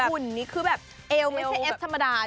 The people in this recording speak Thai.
หุ่นนี่คือแบบเอวไม่ใช่เอฟธรรมดา